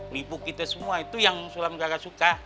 lipu kita semua itu yang sulam kagak suka